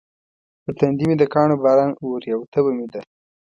پر تندي مې د کاڼو باران اوري او تبه مې ده.